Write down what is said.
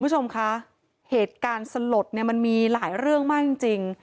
คุณผู้ชมคะเหตุการณ์สลดเนี่ยมันมีหลายเรื่องมากจริง